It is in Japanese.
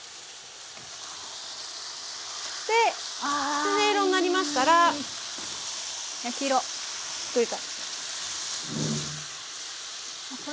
できつね色になりましたら焼き色ひっくり返す。